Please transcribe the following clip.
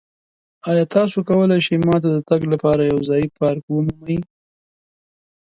ایا تاسو کولی شئ ما ته د تګ لپاره یو ځایی پارک ومومئ؟